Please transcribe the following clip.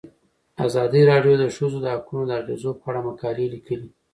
ازادي راډیو د د ښځو حقونه د اغیزو په اړه مقالو لیکلي.